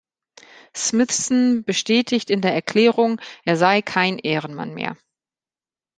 Smithson bestätigt in der Erklärung, er sei kein Ehrenmann mehr.